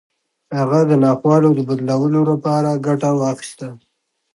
هغه د ناخوالو د بدلولو لپاره ګټه واخيسته.